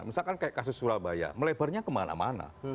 misalkan kayak kasus surabaya melebarnya kemana mana